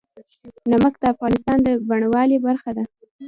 نمک د افغانستان د بڼوالۍ برخه ده.